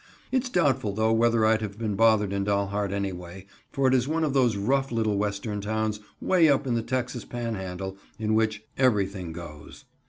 It's doubtful though whether I'd have been bothered in Dalhart anyway, for it is one of those rough little Western towns 'way up in the Texas Panhandle, in which "everything goes."